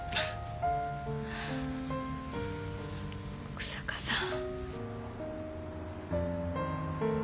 日下さん。